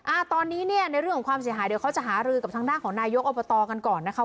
อ่าตอนนี้เนี่ยในเรื่องของความเสียหายเดี๋ยวเขาจะหารือกับทางด้านของนายกอบตกันก่อนนะคะ